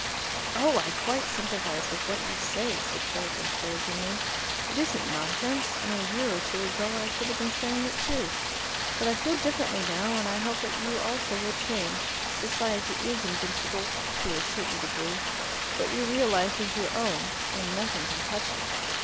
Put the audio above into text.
"Oh, I quite sympathize with what you say," said Philip encouragingly; "it isn't nonsense, and a year or two ago I should have been saying it too. But I feel differently now, and I hope that you also will change. Society is invincible to a certain degree. But your real life is your own, and nothing can touch it.